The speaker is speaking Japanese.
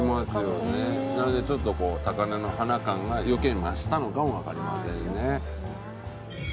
なのでちょっとこう高嶺の花感が余計に増したのかもわかりませんね。